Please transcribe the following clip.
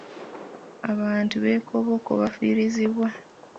Abantu b'e Koboko bafiirizibwa.